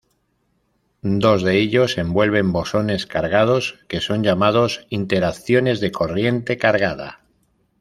Dos de ellos envuelven bosones cargados, que son llamados "interacciones de corriente cargada".